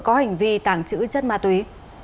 có hành vi tàng trữ chất ma túy